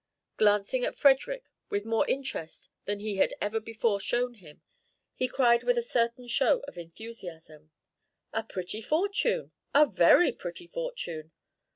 Glancing at Frederick with more interest than he had ever before shown him, he cried with a certain show of enthusiasm: "A pretty fortune! A very pretty fortune!"